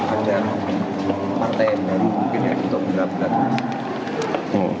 ada partai yang mungkin yang ditobrak bela terasa